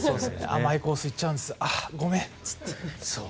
甘いコース行っちゃうんですああ、ごめんって。